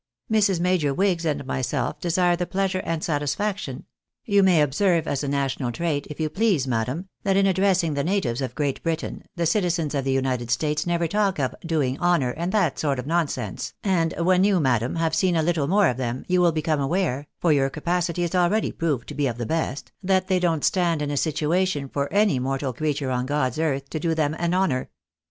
Mrs. Major Wigs and myself desire the pleasure and satisfaction — You may observe as a national trait, if you please, madam, that in addressing the natives of Great Britain, the citizens of the United States never talk of ' doing honour,' and that sort of nonsense, and when you, madam, have seen a Uttle more of them, you will become aware (for your capacity is already proved to be of the best) that they don't stand in a situation for any mortal creature on God's earth to do them an honour.